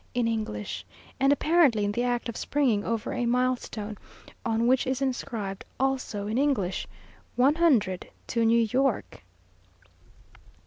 in English! and apparently in the act of springing over a milestone, on which is inscribed, also in English "_100 to New York!